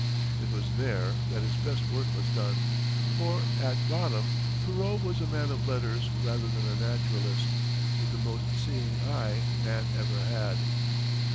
It was there that his best work was done, for, at bottom, Thoreau was a man of letters rather than a naturalist, with the most seeing eye man ever had.